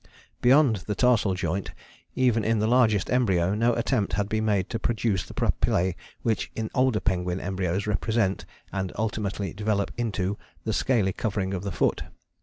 Beyond the tarsal joint even in the largest embryo no attempt had been made to produce the papillae which in older penguin embryos represent, and ultimately develop into, the scaly covering of the foot.